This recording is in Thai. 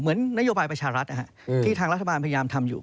เหมือนนโยบายประชารัฐที่ทางรัฐบาลพยายามทำอยู่